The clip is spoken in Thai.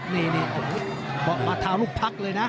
ดินี่มาท้าลูกพักกินเลยนะ